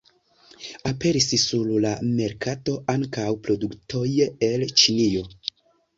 Aperis sur la merkato ankaŭ produktoj el Ĉinio.